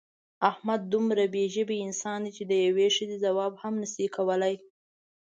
احمد دومره بې ژبې انسان دی چې د یوې ښځې ځواب هم نشي کولی.